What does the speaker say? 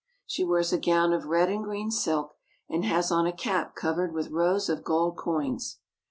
She wears a gown of red and green silk and has on a cap covered with rows of gold coins.